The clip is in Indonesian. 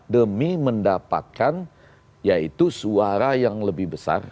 demi mendapatkan yaitu suara yang lebih besar